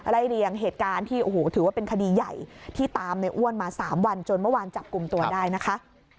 เรียงเหตุการณ์ที่โอ้โหถือว่าเป็นคดีใหญ่ที่ตามในอ้วนมา๓วันจนเมื่อวานจับกลุ่มตัวได้นะคะ